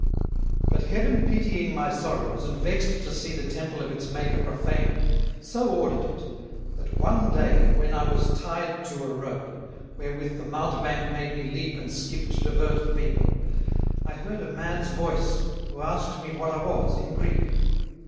But Heaven pitying my Sorrows, and vext to see the Temple of its Maker profaned, so ordered it, that one day [when] I was tied to a Rope, wherewith the Mountebank made me Leap and Skip to divert the People, I heard a Man's voice, who asked me what I was, in Greek.